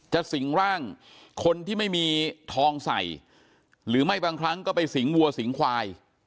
สิงร่างคนที่ไม่มีทองใส่หรือไม่บางครั้งก็ไปสิงวัวสิงควาย